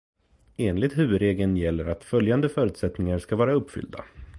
Enligt huvudregeln gäller att följande förutsättningar ska vara uppfyllda.